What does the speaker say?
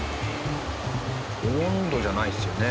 温度じゃないですよね？